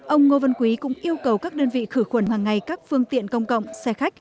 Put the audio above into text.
ông ngô văn quý cũng yêu cầu các đơn vị khử khuẩn hàng ngày các phương tiện công cộng xe khách